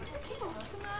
大きくない？